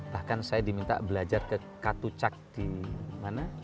bahkan saya diminta belajar ke katucak di mana